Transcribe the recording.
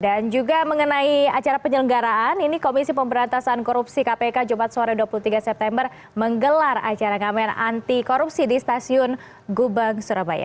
dan juga mengenai acara penyelenggaraan ini komisi pemberantasan korupsi kpk jumat sore dua puluh tiga september menggelar acara ngamen anti korupsi di stasiun gubang surabaya